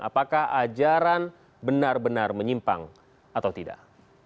apakah ajaran benar benar menyimpang atau tidak